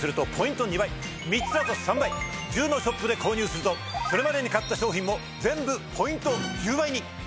１０のショップで購入するとそれまでに買った商品も全部ポイント１０倍に！